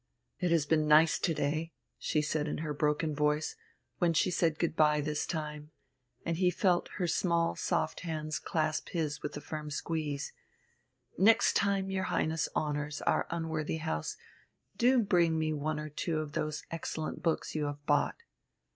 "It has been nice to day," she said in her broken voice, when she said good bye this time, and he felt her small, soft hands clasp his with a firm squeeze. "Next time your Highness honours our unworthy house, do bring me one or two of those excellent books you have bought."